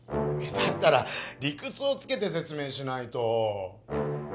だったら理くつをつけてせつ明しないと！